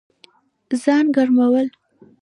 ځان ګرمول